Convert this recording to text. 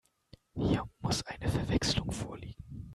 Hier muss eine Verwechslung vorliegen.